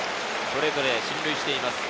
それぞれ進塁しています。